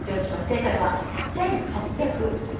正解は１８３６円！